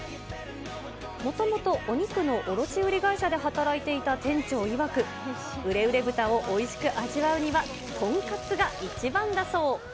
もともとお肉の卸売会社で働いていた店長いわく、嬉嬉豚をおいしく味わうには、とんかつが一番だそう。